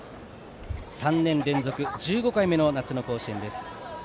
３年連続１５回目の夏の甲子園です。